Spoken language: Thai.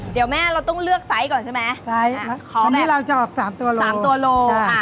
เดี๋ยวแม่เราต้องเลือกไซส์ก่อนใช่ไหมไซส์ตอนนี้เราจะออกสามตัวโลสามตัวโลค่ะ